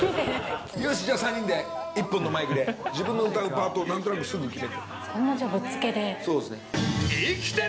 よしじゃあ３人で１本のマイクで、自分の歌うパートをなんとなくすぐ決めて。